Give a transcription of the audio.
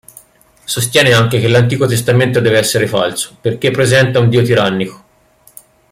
Sostiene anche che l'Antico Testamento deve essere falso, perché presenta un Dio tirannico.